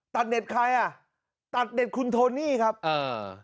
เด็ดใครอ่ะตัดเด็ดคุณโทนี่ครับอ่า